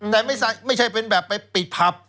แต่ไม่ใช่เป็นแบบไปปิดผับ